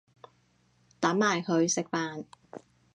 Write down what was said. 等埋佢食飯